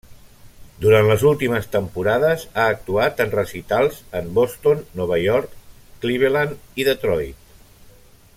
Durant les últimes temporades ha actuat en recitals en Boston, Nova York, Cleveland i Detroit.